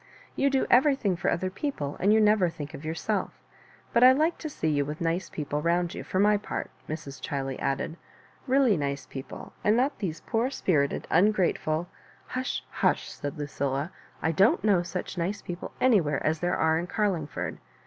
You do everything for other people, and you never thmk of yourselC But I like to see you with nice people round you, for my part," Mrs. Chiley added — "really nice peo ple, and not these poor spirited, ungrateful—" "Hush, hush I" said Lucilla; "I don*t know such nice people anywhere as there are in Car iingford.